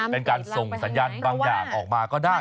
เป็นการส่งสัญญาณบางอย่างออกมาก็ได้